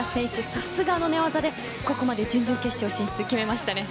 さすがの寝技で、ここまで準々決勝進出を決めましたね。